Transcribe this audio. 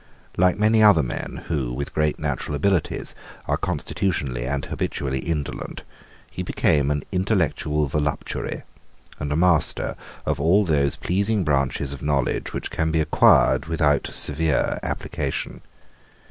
Like many other men who, with great natural abilities, are constitutionally and habitually indolent, he became an intellectual voluptuary, and a master of all those pleasing branches of knowledge which can be acquired without severe application.